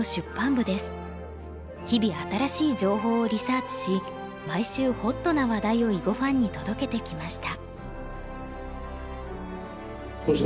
日々新しい情報をリサーチし毎週ホットな話題を囲碁ファンに届けてきました。